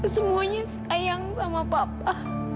semuanya sayang sama papa